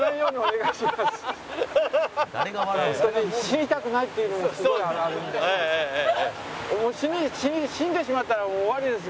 死にたくないっていうのがすごいあるんで。